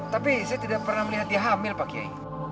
tapi saya tidak pernah melihat dia hamil pak kiai